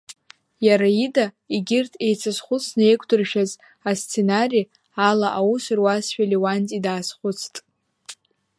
Иара ида, егьырҭ еицазхәыцны еиқәдыршәаз асценари ала аус руазшәа Леуанти даазхәыцт.